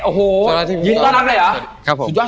โอ้โหยืนต้อนรับเลยเหรอ